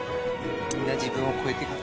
みんな自分を超えていく。